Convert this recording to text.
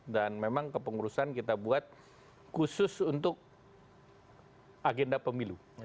dan memang kepengurusan kita buat khusus untuk agenda pemilu